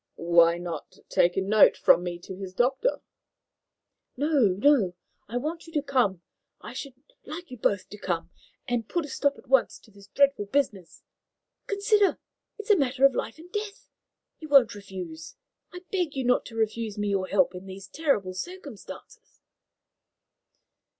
"Why not take a note from me to his doctor?" "No, no; I want you to come I should like you both to come and put a stop at once to this dreadful business. Consider! It's a matter of life and death. You won't refuse! I beg you not to refuse me your help in these terrible circumstances."